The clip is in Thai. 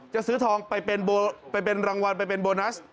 จะซื้อทองไปเป็นรางวัลไปเป็นโบนัส